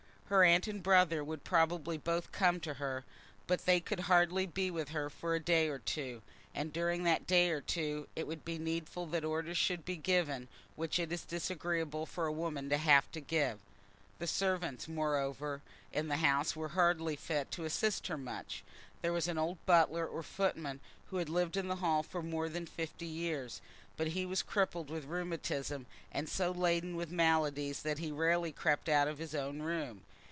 Her aunt and brother would probably both come to her, but they could hardly be with her for a day or two, and during that day or two it would be needful that orders should be given which it is disagreeable for a woman to have to give. The servants, moreover, in the house were hardly fit to assist her much. There was an old butler, or footman, who had lived at the Hall for more than fifty years, but he was crippled with rheumatism, and so laden with maladies, that he rarely crept out of his own room.